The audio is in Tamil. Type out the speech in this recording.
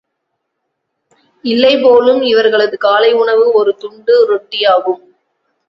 இல்லைபோலும் இவர்களது காலை உணவு ஒரு துண்டு ரொட்டி ஆகும்.